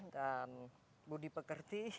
dan budi pekerti